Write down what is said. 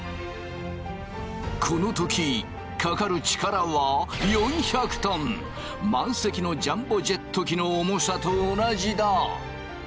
この時かかる力は満席のジャンボジェット機の重さと同じだ。